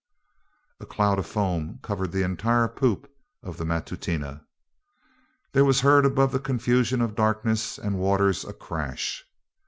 A cloud of foam covered the entire poop of the Matutina. There was heard above the confusion of darkness and waters a crash.